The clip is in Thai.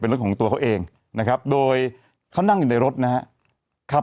รถของตัวเขาเองนะครับโดยเขานั่งอยู่ในรถนะครับ